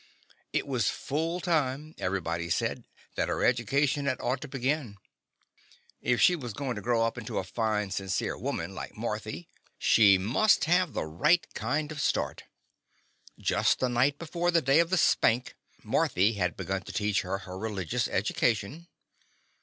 It was full time, everybody said, that her educa tion had ought to begin. If she was The Confessions of a Daddy goin' to grow up into a fine, sincere woman like Marthy, she must have the right kind of start. Just the night before the day of the Spank, Marthy had begun to teach her her religious education.